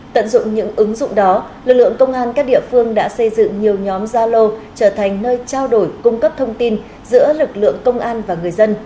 tận dụng những ứng dụng đó lực lượng công an các địa phương đã xây dựng nhiều nhóm gia lô trở thành nơi trao đổi cung cấp thông tin giữa lực lượng công an và người dân